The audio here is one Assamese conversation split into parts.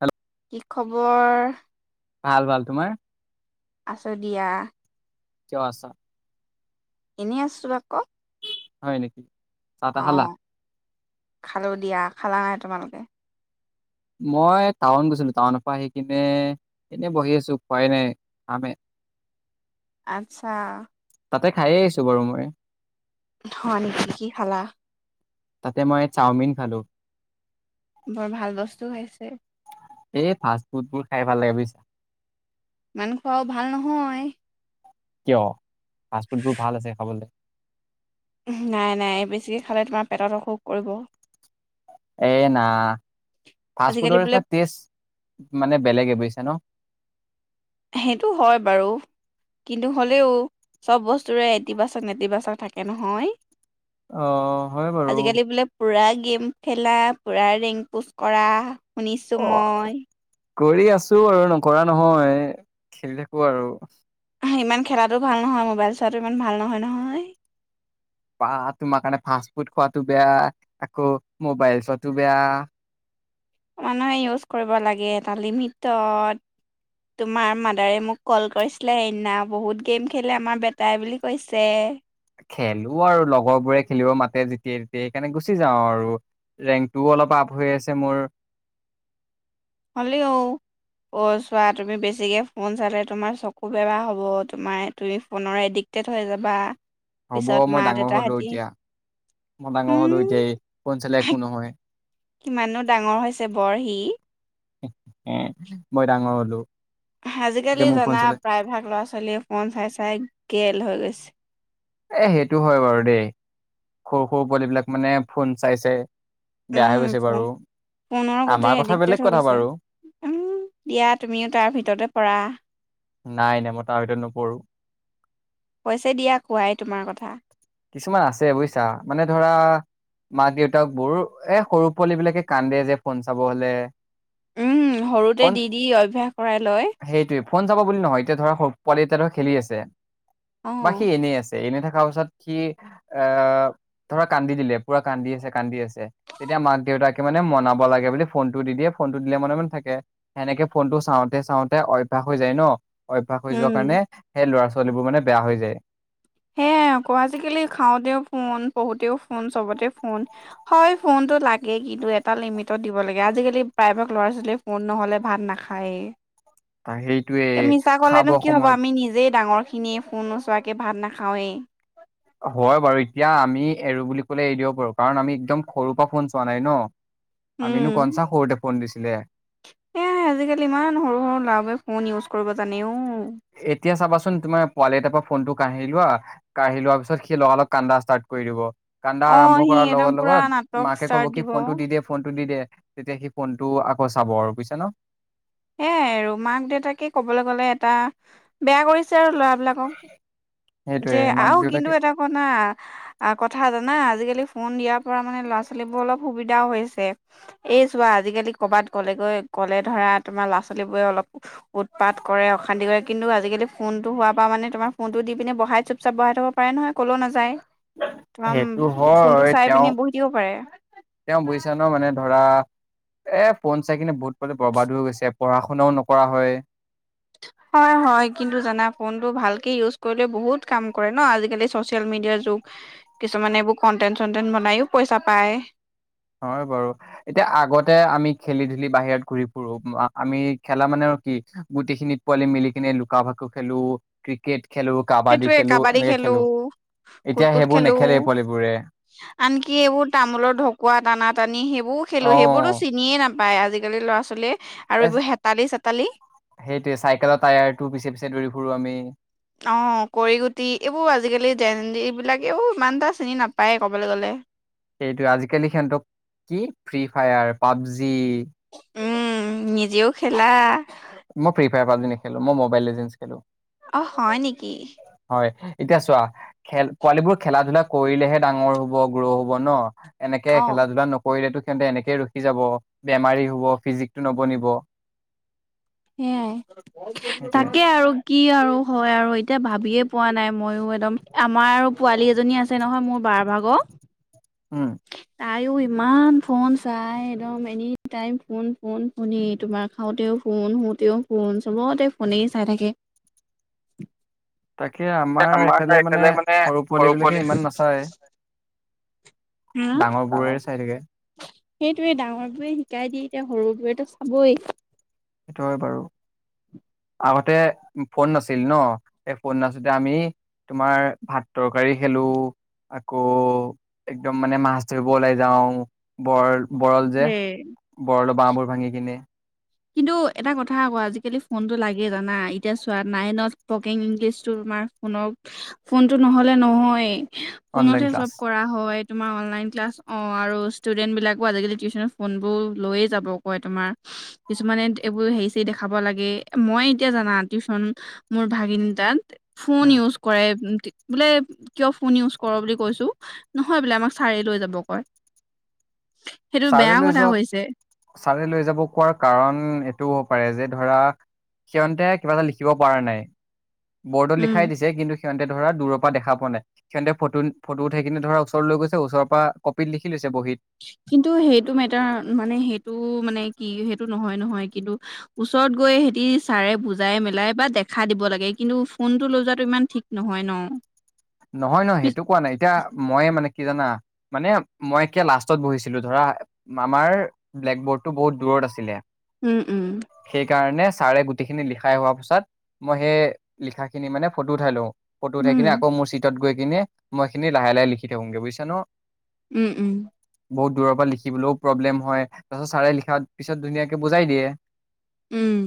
হেল্ল' কি খবৰ? ভাল-ভাল তোমাৰ? আছে দিয়া। কিয় আছা? এনেই আছো আকৌ। হয় নেকি? চাহ তাহ খালা অ', খালো দিয়া খালা নাই তোমালোকে? মই টাউন গৈছিলো টাউনৰ পৰা আহি কিনে এনেই বহি আছো খোৱাই নাই খামহে। আচ্ছা, তাতে খাই আহিছো বাৰু মই। হয় নেকি কি খালা? তাতে মই চাওঁমিন খালোঁ। বৰ ভাল বস্তু খাইছে। এই ফাষ্ট ফুডবোৰ খাই ভাল লাগে বুজিছা। ইমানো খোৱাও ভাল নহয়। কিয় ফাষ্টফুডবোৰ ভাল আছে খাবলে। পেটাত অসুখ কৰিব। এ না ফাষ্ট আজিকালি ফুডৰ বোলে টেষ্ট মানে বেলেগে ছে ন সেইটো হয় বাৰু কিন্তু হ'লেও চব বস্তুৰে ইতিবাছক নেটিবাছক থাকে নহয় অ হয় বাৰু আজিকালি বোলে পুৰা গেম খেলা পূৰা ৰেঙ্ক পোচ কৰা শুনিছো অ ম‌ই কৰি আছো আৰু নকৰা নহয় খেলি থাকো আৰু ইমান খেলাটো ভাল নহয় মোবাইল চোৱাটো ইমান ভাল নহয় নহয় বা তোমাৰ কাৰণে ফাষ্ট ফুড খোৱাটো বেয়া আকৌ মোবাইল চোৱাটো বেয়া মানহে ইউছ কৰিব লাগে এটা লিমিটত তোমাৰ মাদাৰে মোক কল কৰিছিলে সেইদিনা বহুত গেম খেলে আমাৰ বেটাই বুলি কৈছে খেলো আৰু লগৰ বোৰে খেলিব মাতে যেতিয়াই তেতিয়াই সেইকাৰণে গুচি যাওঁ আৰু ৰেঙ্কটোও অলপ আপ হৈ আছে মোৰ হ'লেও অ চোৱা তুমি বেছিকে ফোন চালে তোমাৰ চকু বেয়া হ'ব তোমাৰ তুমি ফোনৰ এডিক্টেড হৈ যাবা হ'ব পিছত মা মই ডাঙৰ হলো দেউতাহঁতি এতিয়া মই ডাঙৰ হলো উম এতিয়া এইকণ চালে একো নহয় কিমাননো ডাঙৰ হৈছে বৰ সি মই ডাঙৰ হ'লো যে আজিকালি মোৰ ফোন জানা চালে প্ৰায়ভাগ ল'ৰা ছোৱালীয়ে ফোন চাই চাই কেল হৈ গৈছে এ সেইটো হয় বাৰু দেই সৰু সৰু পোৱালিবিলাক মানে ফোন চাইছে উম ফোনৰ সতে আমাৰ কথা এডিক্টেড বেলেগ হৈ কথা গৈছে বাৰু উম দিয়া তুমিও তাৰ ভিতৰতে পৰা নাই নাই মই তাৰ ভিতৰত নপৰোঁ কৈছে দিয়া কোৱাই তোমাৰ কথা কিছুমান আছে বুজিছা মানে ধৰা মাক দেউতাক বহু এ সৰু পোৱালী বিলাকে কান্দে যে ফোন চাব হলে উম সৰুতে ফোন দি দি অভ্যাস কৰাই লয় সেইটোৱে ফোন চাব বুলি নহয় এতিয়া ধৰা সৰু পোৱাল এতিয়া ধৰা খেলি আছে অ'। বা সি এনেই আছে এনে থাকা তাৰ পাছত সি অহ ধৰা কান্দি দিলে পুৰা কান্দি আছে কান্দি আছে তেতিয়া মাক দেউতাকে মানে মনাব লাগে বুলি ফোনটো দি দিয়ে ফোনটো দিলে মনে মনে থাকে সেনেকে ফোনটো চাওঁতে চাওঁতে অভ্যাস হৈ যায় ন অভ্যাস হৈ যোৱা উম কাৰণে সেই ল'ৰা ছো ছোৱালীবোৰ মানে বেয়া হৈ যায় সেয় আকৌ আজিকালি খাওঁতেও ফোন পঢ়োতেও ফোন চবতে ফোন হয় ফোনটো লাগেই কিন্তু এটা লিমিটত দিব লাগে আজিকালি প্ৰায়ভাগ ল'ৰা ছোৱালীয়ে ফোন নহলে ভাত নাখায়েই তা সেইটোৱে এ মিছা খাব কলেনো কি হব সময়ত আমি নিজেই ডাঙৰ খিনিয়ে ফোন নোচোৱাকে ভাত নাখা খাওঁৱেই হয় বাৰু এতিয়া আমি এৰো বুলি কলে এৰি দিব পাৰো কাৰণ আমি একদম সৰু পৰা ফোন চোৱা নাই ন আমিনো কোনচা সৰুতে ফোন দিছিলে সেয়াহে আজিকালি ইমান সৰু সৰু ল'ৰাবোৰে ফোন ইউজ ক'ৰিব জানেও এতিয়া চাবাচোন তোমাৰ পোৱালি এটাৰ পৰা ফোন টো কাঢ়ি লোৱা কাঢ়ি লোৱা পিছত সি লগা লগ কান্দা ষ্টাৰ্ট কৰি দিব। কান্দা অ' আৰম্ভ সি কৰাৰ একদম লগত- পুৰা লগত নাটক মাকে ষ্টাৰ্ট কব কি দিব। ফোন টো দি দে- ফোনটো দি দে। তেতিয়া সি ফোনটো আকৌ চাব আৰু বুজিছা ন? এয়াই আৰু মাক দেউতাকে ক'বলৈ গ'লে এটা বেয়া কৰিছে আৰু ল'ৰাবিলাকক। সেইটোয়ে যে মাক আৰুও কিন্তু দেউতাকে এটা কনা কথা কথা জানা আজিকালি ফোন দিয়াৰ পৰা মানে ল'ৰা ছোৱালী বোৰ অলপ সুবিধাও হৈছে এই চোৱা আজিকালি কৰ'বাত গ'লেগৈ গ'লে ধৰা তোমাৰ ল'ৰা ছোৱালী বোৰে অলপ উৎপাত কৰে অশান্তি কৰে কিন্তু আজিকালি ফোন টো হোৱাৰ পৰা মানে তোমাৰ ফোনতটো দি পিনে বহা- সহাই চুপচাপ বহাই থব পাৰে নহয় কলেও নাযায়। তোমাৰ সেইটো ফোনটো হয় চাই তেওঁ পিনে বহি থাকিব পাৰে। -তেওঁ বুইছ ন মানে ধৰা এ ', ফোন চাই কিনে বহুত বৰবাদ হৈ গৈছে? পঢ়া শুনাও নকৰা হয়? হয় -হয় কিন্তু জানা ফোনটো ভালক ইউছ কৰিলে বহুত কাম কৰে ন আজিকালি চচিয়েল মিডিয়াৰ যুগ কিছুমানে এইবোৰ কন্টেন্ট চনটেন্ট বনাইও পইচা পায়। হয় বাৰু এতিয়া আগতে আমি খেলি ধুলি বাহিৰত ঘুৰি ফুুৰো আমি খেলা মানে আৰু কি গোটিখিনিত পোৱালি মিলি কিনে লুকা ভাকু খেলো ক্ৰিকেট খেলো কাবাডী সেইটোৱে খেলো কাবাডী এনেকে খেলো এতিয়া কুটকুট সেইবোৰ খেলো নেখেলে পোৱালিবোৰে আনকি এইবোৰ তামোলৰ ঢকুৱা টানাত পানী সেই বু খেলো অ সেইবোৰো চিনিয়ে নাপায় পায় আজিকালি ল'ৰা ছোৱালীয়ে আৰু এ এইবোৰ হেতালি চেতালি ', সেইটোৱে চাইকেলৰ টায়াৰটো পিছে -পিছে দৌৰি ফুুৰো আমি। অ', কৰি গুটি এইবোৰ আজিকালি জন এইবিলাক এইবোৰ ইমান এটা চিনি নাপায় কবলৈ গলে। সেইটোৱ আজিকালি সহতক কি ফ্ৰী ফায়াৰ পাবজি উম', নিজেও খেলা? মই ফ্ৰী ফায়াৰ পালি নেলো মই মোবাইল খেলো। অ', হয় নেকি? হয় এতিয়া চোৱা খেল পোৱালিবোৰ খেলা ধূলা কৰিলেহে ডাঙৰ হব গ্ৰহ হব ন! এনেকে অ খেলা ধূলা নকৰিলেতো সিহঁতে এনেকে ৰখি যাব বেমাৰী হব ফিজিকটো নবনিব। সেয়াই সেইটোয়ে তাকে আৰু কি আৰু হয় আৰু এতিয়া ভাবিয়ে পোৱা নাই মইো একদম আমাৰ আৰু পোৱালি এজনী আছে নহয় মোৰ বাৰ ভাগৰ। উম', তাইও ইমান ফোন চাই একদম এনি টাইম ফোন- ফোন - ফোনে তোমাৰ খাওঁতেও ফোন শুওঁতেও ফোন চবতে ফোনে চাই থাকে। তাকে আমাৰ এইফালে মানে সৰু পোৱালি বিলাকে ইমান নাচায়। ডাঙৰ বোৰে চাই থাকে। সেইটোৱে ডাঙৰ বোৰে শিকাই দিয় এতিয়া সৰু বোৰেতটো চাবই। সেইটোৱে বাৰু আগত তে', ফোন নাছিল ন সেই ফোন নাচোতে আমি তোমাৰ ভাত তৰকাৰী খেলো আকৌ একদম মানে মাছ ধৰিব ওলাই যাওঁ বৰ বৰল যে উম। বৰল বাঁবোৰ ভাঙি কিনে কিন্তু এটা কথা আকৌ আজিকালি ফোনতটো লাগে জানা, এতিয়া চোৱা নাইনত স্পকিং ইংলিছো তমাৰ ফ-ফোনটো নহলে নহয়। অনলাইন ফনতহে চব ক্লাছ কৰা হয়। তোমাৰ অনলাইন ক্লাছ অ আৰু ষ্টুডেন্টবলাকো আজিকালি টিউশচননৰ ফোনবোৰ লৈয়ে যাব কয় তোমাৰ। কিছুমানে এইবোৰ হেৰি চ দেখাব লাগে, মই এতিয়া জানা টিউচন মোৰ ভাগিনটাত উম ফোন ইউজ কৰে বোলে কিয় ফোন ইউজ কৰ বুলি কৈছো, নহয় বোলে আমাক চাৰি লৈ যাব কয়। সেইটো ছাৰে বেয়া লৈ কথা যোৱা, হৈছে ছাৰে লৈ যাব কোৱাৰ কাৰণ এইটো হ'ব পাৰে যে ধৰা সিহতে কিবা এটা লিখিব পৰা নাই বৰ্ডত উম লিখাই দিছে কিন্তু সিহঁতে ধৰা দৰ পৰা দেখা প নাই, সিহতে ফটো-ফটো উঠাইিনে ধৰা ওচৰলৈৈ গৈছে, ওচৰ পৰা কপিত লি লৈছে বহিত। কিন্তু সেইটো মেটাৰ, মানে সেইটো মানে কি সেইটো নহয়-নহয়। কিন্তু ওচৰত গৈ সিতি ছাৰে বুজাই মেলাই বা দেখা দিব লাগে কিন্তু ফোনটো লৈ যোৱাটো ইমান ঠিক নহয় ন। নহয়-নহয় পিছ সেইটো কোৱা নাই, এতিয়া মইে মানে কি জানা, মানে মই এতিয়া লাষ্টত বহিছিলো ধৰা, আমাৰ ব্লেক বৰ্ডটো বহুত দূৰত আছিলে। উম-উম সেইকাৰণে ছাৰে গোটেইখিনি লিখাই হোৱা পাছত, মই সেই লিখাখিনি মানে ফটো উঠাই লওঁ। ফটো উঠে উম কিনে চিটত গৈ কিনে মইখিনি লাহে-লাহে লিখি থাকোমগে বুজছ ন? উম-উম বহুত দূৰ পৰা লিখিবলৈও প্ৰব্লেম হয়, তাৰ পাছত ছাৰে লিখা পিছত ধুনীয়াকে বুজাই দিয়ে। উম,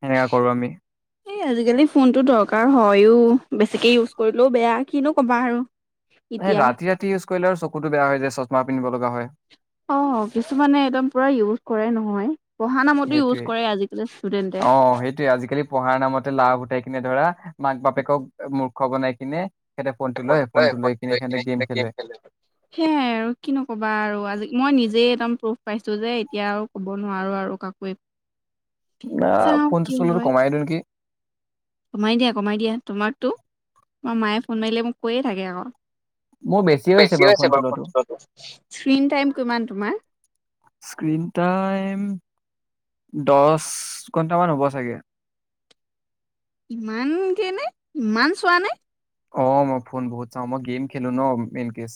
সেনেকা কৰো আমি এই আজিকালি ফোনটো দৰকাৰ হয়ো। বেছিকে ইউজ কৰিলেও বেয়া কিনো ক'বা আৰু। এ এতিয়া ৰাতি-ৰাতি ইউজ কৰিলে আৰু চকুত টো বেয়া হয় যে, চশমা পিন্ধিব লগা হয়। অ কিছুমানে একদম পুৰা ইউজ কৰাই নহয়। পঢ়া নামতো ইউজ সেইটোৱে, কৰে আজিকালি ষ্টুডেন্টে অ' সেইটোৱে আজিকালি পঢ়াৰ নামতে লাভ উটাই কিনে ধৰা মাক বাপেকক মূৰ্খ বনাই কিনে সিহঁতে ফোনটো লয় ফোনটো লৈ কিনে সিহঁতে গেম সেইয়াই খেলে আৰু কিনো কবা আৰু আজি মই নিজে একম প্ৰোফ পাইছো যে এতিয়া ক'ব নোৱাৰো আৰু কাকোৱ। অ ফোনটো চলো কমাই দিও নেকি? কমাই দিয়া-কমাই দিয়া। তোমাকতো, তোমাৰ মায়ে ফোন মাৰিলে মোক কৈয়ে থাকে আকৌ। মোৰ বেছিয় হৈছে বাৰু ফোন চলোৱাটো। স্ক্ৰীন টাইম কিমান তোমাৰ স্কন টাইম দচ ক মান হ'ব চাগে। ইমান কেই নে ইমান চোৱা নে? অ মই ফোন বহুত চাওঁ মই গেম খেলো ন মেইন কেচ।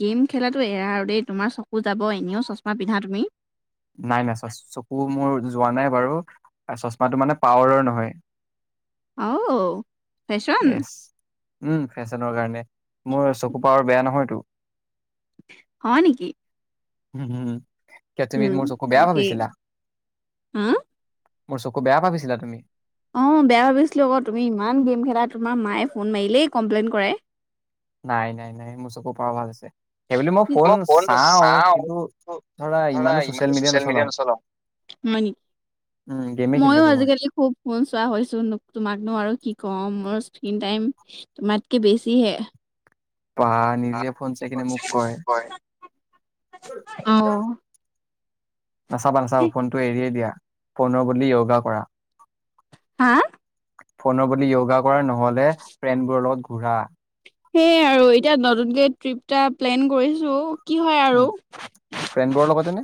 গেম খেলাতো এৰা আৰু দেই তোমাৰ চকু যাব এনেও চচমা পিন্ধা তুমি। নাই-নাই চ চকু মোৰ যোৱা নাই বাৰু চচমাটো মানে পাৱাৰৰ নহয়। অহ, ছ উম ফেশ্বনৰ কাৰণে। মোৰ চকু পাৰৰ বেয়া নহয়তো। হয় নেকি? উম, উম, কিয় তুমি উম মোৰ চকু বেয়া তাকেই ভাবিছিলা? হা মোৰ চকু বেয়া ভাবিছিলা তুমি? অ', বেয়া ভাবিছিলোঁ আকৌ তুমি ইমান গেম খেলা তোমাৰ মায়ে ফোন মাৰিলেই কমপ্লেইন কৰে। নাই-নাই-নাই মোৰ চকু পাৱাৰ ভাল আছে। সেইবুলি মই ফোন চাওঁ কিন্তু ধৰা ইমানো ছচিয়েল মিডিয়া নচলাও উম গেমে খেলি ময়ো থাকো মই আজিকালি খুব ফোন চোৱাছো তোমাকনো আৰু কি কম মোৰ স্ক্ৰিন টাইম তোমাতকে বেছিহে। বা নিজে ফোন চাই কিনে মোক কয় অ নাচাবা-নাচাবা ফোনটো এৰিয়ে দিয়া। ফোনৰ বদলি য়গা কৰা। হা, ফোনৰ বদলি য়গা ক নহলে ফ্ৰেইনবোৰ লগত ঘোৰি ফোৱা কুকুৰা সেইয় আৰু এতিয়া নতুনকে ট্ৰিপ এটা প্লেন কৰিছো। কি হয় আৰু উম ফ্ৰেণ্ডবোৰৰ লগতে নে?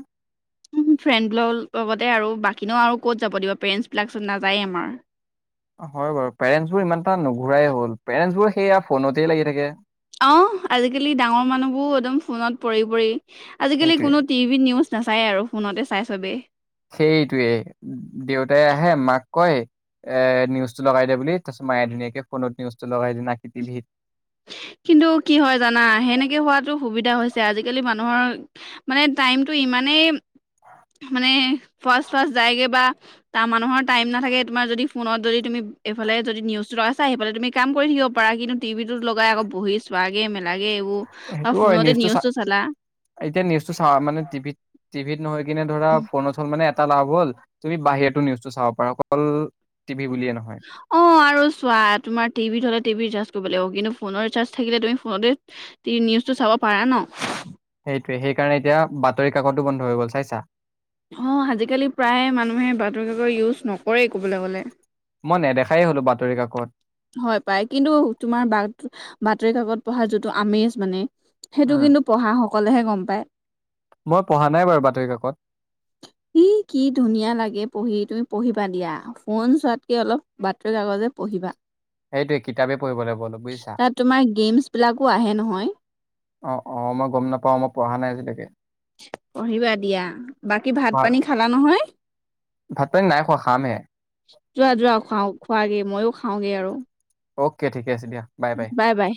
ফ্ৰেণ্ডৰ লগতে আৰু বাকীনো আৰু ক'ত যাব দিবা পেৰেন্টছ বিলাক চত নাযায়েই আমাৰ। হয় বাৰু পেৰেণ্টছ বোৰ ইমান এটা নুঘূৰাই হল পেৰেন্টছ বোৰ সেইয়া ফোনতেই লাগি থাকে। অ', আজিকালি ডাঙৰ মানুহবোৰ একদম ফোনত পৰি-পৰি আজিকালি সেইটোৱে। কোনো টিভি নিউজ নাচায়ে আৰু ফোনতে চাই চবেই। সেইটোৱে দেউতাই আহে মাক কয় এ নিউজটো লগাই দিয়ে বুলি তাৰপিছত মায়ে ধুনীয়াকে ফোনত নিউজটো লগাই দিয়ে টিভিত। কিন্তু কি হয় জানা সেনেকে হোৱাতো সুবিধা হৈছে আজিকালি মানুহৰ মানে টাইমতটো ইমানেই মানে ফাষ্ট-ফাষ্ট যায়গে বা তা মানুহৰ টাইম নাথাকে তোমাৰ যদি ফোনত যদি তুমি এইফালে যদি নিউজ তো লগাইছা তেন্তে তুমি কাম কৰি থাকিব পাৰা কিন্তু টিভি লগাই আকৌ বহি চোৱাগে মেলে সেইটো হয় নিউজটো চা চালা এতিয়া নিউজটো চা মানে টিভিত টিভি ত নহয় কিনে ধৰা ফোনচল মানেটা এটা লাভ হ'ল তুমি বাহিৰতটো নিউজটো চাব পাৰা অকল টিভি বুলিয়ে নহয় অ' আৰু চোৱা, তোমাৰ টিভিত হ'লে টিভি ৰিচাৰ্জ কৰিব লাগিব, কিন্তু ফোনৰ ৰিচাৰ্জ থাকিলে তুমি ফোনতে নিউজটো চাব পাৰা ন'? সেইটোৱে, সেইকাৰণে এতিয়া বাতৰি কাকতো বন্ধ হৈ গ'ল চাইছা? অ, ' আজিকালি প্ৰায় মানুহে বাতৰি কাকৰ ইউজ নকৰেই ক'বলৈ গ'লে। মই নেদেখাই হ'লো বাতৰি কাকত হয় পাই, কিন্তু তোমাৰ বা বাতৰি কাকত পঢ়াৰ যোনটো আমেজ মানে সেইটো উম কিন্তু পঢ়া হওঁক অকলেহে গম পায়। মই পঢ়া নাই বাৰু বাতৰি কাকত। সি কি ধুনীয়া লাগে পঢ়ি তুমি পঢ়িবা দিয়া, ফোন চোৱাতকৈ অলপ বাতৰি কাগজে পঢ়িবা। সেইটোৱে কিতাপে পঢ়িব লাগিব অলপ বুজিছা। তাত তোমাৰ গেমছবলাকো আহে নহয়। অ', মই গম নাপাও, মই পঢ়া নাই আজিলৈকে। পঢ়িবা দিয়া, বাকী ভাত পানী খালা নহয়? ভাত পানী নাই খোৱা খামহে। যোৱা-যোৱা খুৱও খোৱাগে, ময়ো খা খাওঁগে আৰু। অকে ঠিকে আছে দিয়া, বাই-বাই বাই বাই।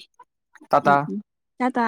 টাটা। উম, উম। টাটা।